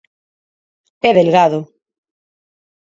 É delgado.